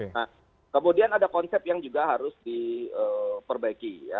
nah kemudian ada konsep yang juga harus diperbaiki ya